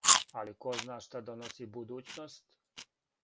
Али ко зна шта доноси будућност?